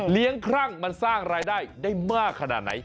ครั่งมันสร้างรายได้ได้มากขนาดไหน